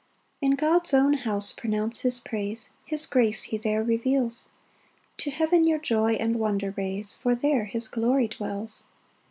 1 In God's own house pronounce his praise, His grace he there reveals; To heaven your joy and wonder raise, For there his glory dwells.